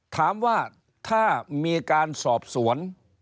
ถามว่าถ้ามีการสอบสวน